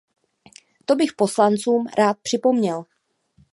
To bych poslancům rád připomněl.